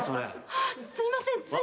あっすいませんつい。